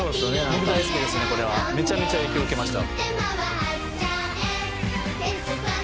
「僕大好きですねこれは。めちゃめちゃ影響受けました」